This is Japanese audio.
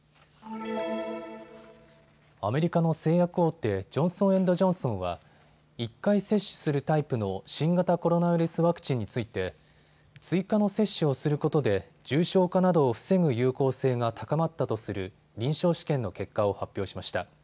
アメリカの製薬大手、ジョンソン・エンド・ジョンソンは１回接種するタイプの新型コロナウイルスワクチンについて追加の接種をすることで重症化などを防ぐ有効性が高まったとする臨床試験の結果を発表しました。